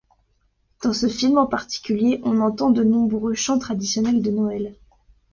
Dans ce film en particulier, on entend de nombreux chants traditionnels de Noël.